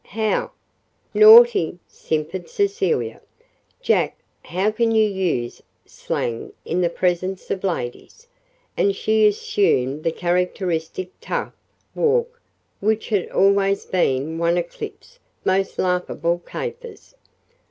"How " "Naughty," simpered Cecilia. "Jack, how can you use slang in the presence of ladies?" and she assumed the characteristic "tough" walk, which had always been one of Clip's most laughable capers.